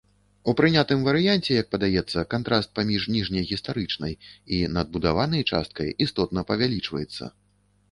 У прынятым варыянце, як падаецца, кантраст паміж ніжняй гістарычнай і надбудаванай часткай істотна павялічваецца.